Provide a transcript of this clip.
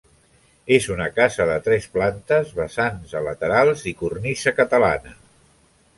És una casa de tres plantes, vessants a laterals i cornisa catalana.